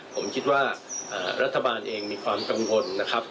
ผมคิดว่ารัฐบาลเองมีความกังวลนะครับ